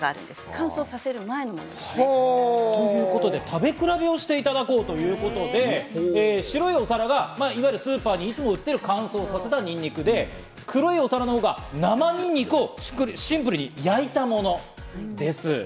乾燥させる前に。ということで食べ比べをしていただこうということで、白いお皿がいわゆるスーパーでいつも売ってる乾燥させたにんにくで、黒いお皿のほうが生にんにくをシンプルに焼いたものです。